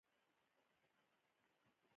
د بدخشان لارې پاخه شوي؟